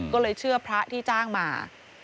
ก็เลยเชื่อพระที่จ้างมา